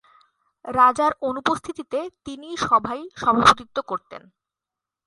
রাজার অনুপস্থিতিতে তিনিই সভায় সভাপতিত্ব করতেন।